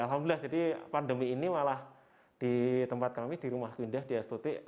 alhamdulillah jadi pandemi ini malah di tempat kami di rumahku indah di astuti